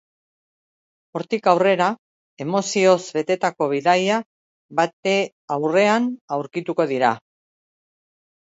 Hortik aurrera, emozioz betetako bidaia bate aurrean aurkituko dira.